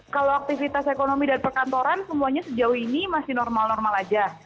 kalau aktivitas ekonomi dan perkantoran semuanya sejauh ini masih normal normal aja